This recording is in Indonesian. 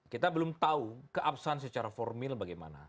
kita belum tahu keabsahan secara formil bagaimana